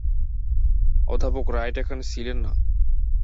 অধ্যাপক রাইট এখানে ছিলেন না।